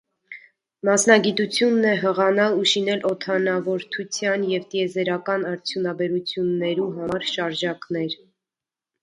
Մասնագիտութիւնն է յղանալ ու շինել օդանաւորդութեան եւ տիեզերական արդիւնաբերութիւններու համար շարժակներ։